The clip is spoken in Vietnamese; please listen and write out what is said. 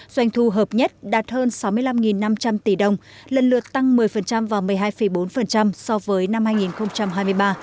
doanh thu hợp nhất đạt hơn sáu mươi năm năm trăm linh tỷ đồng lần lượt tăng một mươi và một mươi hai bốn so với năm hai nghìn hai mươi ba